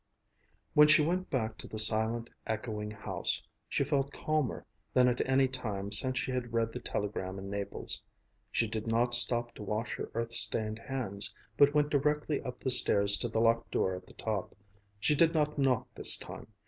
When she went back to the silent, echoing house, she felt calmer than at any time since she had read the telegram in Naples. She did not stop to wash her earth stained hands, but went directly up the stairs to the locked door at the top. She did not knock this time.